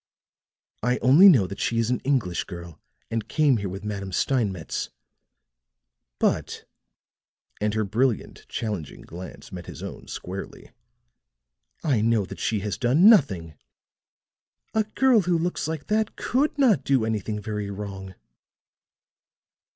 "I only know that she is an English girl and came here with Madame Steinmetz. But," and her brilliant, challenging glance met his own squarely, "I know that she has done nothing. A girl who looks like that could not do anything very wrong."